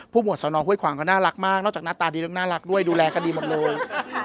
ผู้มูลสนฮ่วยขวางก็น่ารักมากนอกจากหน้าตากดีน่ารักด้วยดูแลกันดีหมดเลย